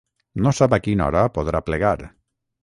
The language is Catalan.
No sap a quina hora podrà plegar.